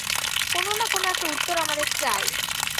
কোন-না-কোন একটা উত্তর আমাদের চাই।